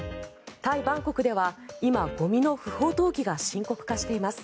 タイ・バンコクでは今、ゴミの不法投棄が深刻化しています。